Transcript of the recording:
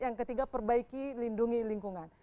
yang ketiga perbaiki lindungi lingkungan